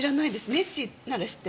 ネッシーなら知ってる。